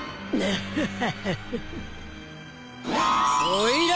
アハハハ！